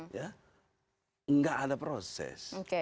tidak ada proses